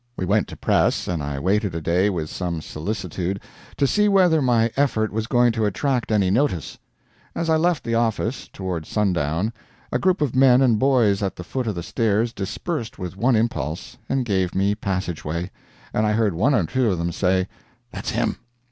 We went to press, and I waited a day with some solicitude to see whether my effort was going to attract any notice. As I left the office, toward sundown, a group of men and boys at the foot of the stairs dispersed with one impulse, and gave me passageway, and I heard one or two of them say: "That's him!"